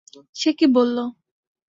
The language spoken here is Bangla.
সে কী বললো?